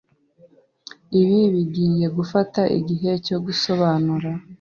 Ibi bigiye gufata igihe cyo gusobanura.